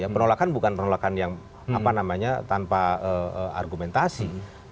penolakan bukan penolakan yang tanpa argumentasi